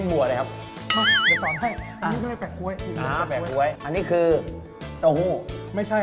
แปะก๊วย